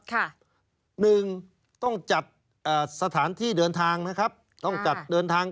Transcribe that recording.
ค่ะหนึ่งต้องจัดเอ่อสถานที่เดินทางนะครับต้องจัดเดินทาง